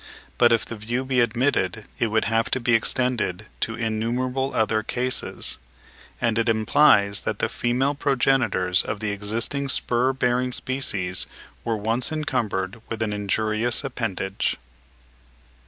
But if this view be admitted, it would have to be extended to innumerable other cases; and it implies that the female progenitors of the existing spur bearing species were once encumbered with an injurious appendage.